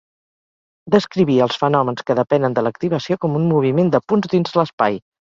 Descriví els fenòmens que depenen de l'activació com un moviment de punts dins l'espai.